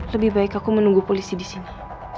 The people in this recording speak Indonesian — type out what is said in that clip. lebih baik aku menunggu polisi disini